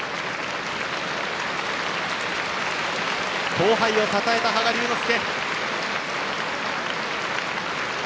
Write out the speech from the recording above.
後輩をたたえた羽賀龍之介。